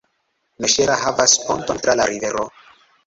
Noŝera havas ponton tra la rivero.